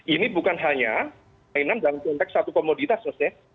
ini bukan hanya mainan dalam konteks satu komoditas maksudnya